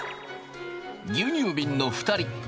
牛乳びんの２人。